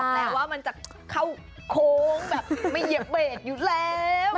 แปลว่ามันจะเข้าโค้งแบบไม่เหยียบเบรกอยู่แล้ว